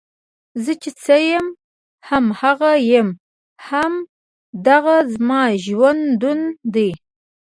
زۀ چې څۀ يم هم دغه يم، هـــم دغه زمـا ژونـد ون دی